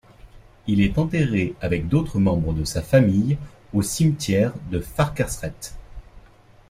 Il est enterré avec d'autres membres de sa famille au cimetière de Farkasrét.